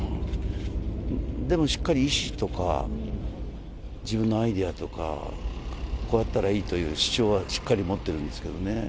でもしっかり意思とか、自分のアイデアとか、こうやったらいいという主張はしっかり持ってるんですけどね。